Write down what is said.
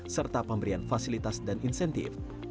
serta pemberian fasilitas dan insentif